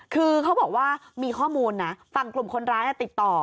คือเขาบอกว่ามีข้อมูลนะฝั่งกลุ่มคนร้ายติดต่อ